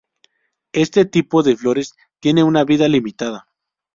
Este tipo de flores tiene una vida limitada.